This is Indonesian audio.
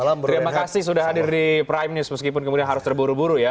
terima kasih sudah hadir di prime news meskipun kemudian harus terburu buru ya